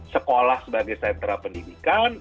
sekolah sebagai sentra pendidikan